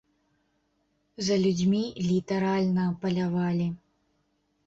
За людзьмі літаральна палявалі.